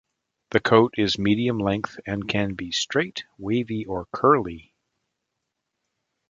The coat is medium length and can be straight, wavy, or curly.